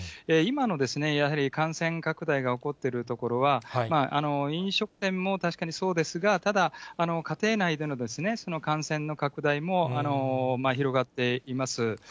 今のやはり感染拡大が起こってる所は、飲食店も確かにそうですが、ただ家庭内での感染の拡大も広がっています。